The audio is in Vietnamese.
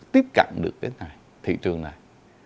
tiếp cận được thị trường này